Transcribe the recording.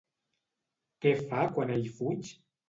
Què fa quan ell fuig?